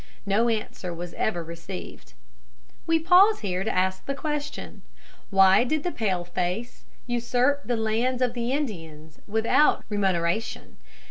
No answer was ever received. We pause here to ask the question, Why did the pale face usurp the lands of the Indians without remuneration?